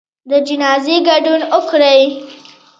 د جنازې ګډون وکړئ